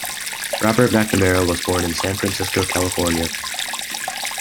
Robert McNamara was born in San Francisco, California.